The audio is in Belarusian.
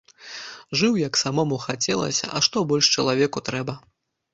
Жыў, як самому хацелася, а што больш чалавеку трэба?